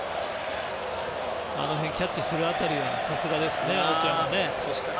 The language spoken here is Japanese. あの辺キャッチする辺りさすがですオチョアも。